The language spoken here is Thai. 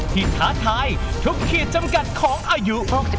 ท้าทายทุกขีดจำกัดของอายุ๖๗